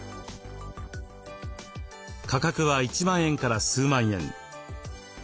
価格は１万円から数万円。